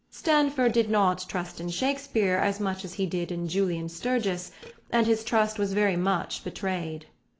Stanford did not trust in Shakespeare as much as he did in Julian Sturgis, and his trust was very much betrayed.